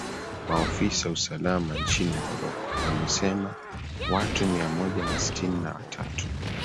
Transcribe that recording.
maofisa wa usalama nchini morocco wamesema watu mia moja na sitini na watatu